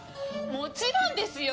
もちろんですよ！